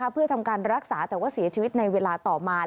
เพื่อทำการรักษาแต่ว่าเสียชีวิตในเวลาต่อมา